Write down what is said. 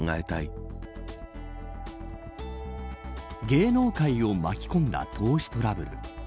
芸能界を巻き込んだ投資トラブル。